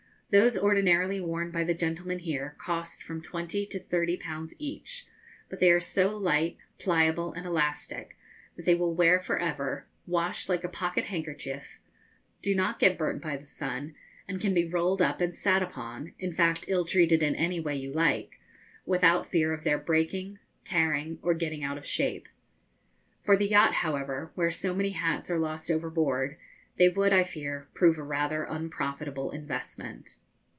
Those ordinarily worn by the gentlemen here cost from twenty to thirty pounds each, but they are so light, pliable, and elastic that they will wear for ever, wash like a pocket handkerchief, do not get burnt by the sun, and can be rolled up and sat upon in fact, ill treated in any way you like without fear of their breaking, tearing, or getting out of shape. For the yacht, however, where so many hats are lost overboard, they would, I fear, prove a rather unprofitable investment.